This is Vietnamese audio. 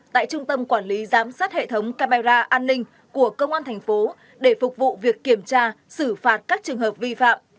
tại trung tâm quản lý giám sát hệ thống camera an ninh của công an thành phố để phục vụ việc kiểm tra xử phạt các trường hợp vi phạm